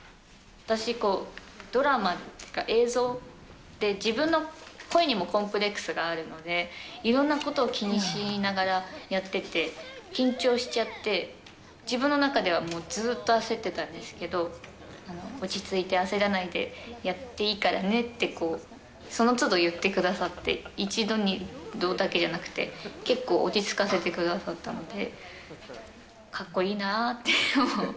私、ドラマ、映像って自分の声にもコンプレックスがあるので、いろんなことを気にしながらやってて、緊張しちゃって、自分の中ではもう、ずーっと焦ってたんですけど、落ち着いて焦らないでやっていいからねって、そのつど言ってくださって、一度や二度だけじゃなくて、結構落ち着かせてくださったので、かっこいいなあって。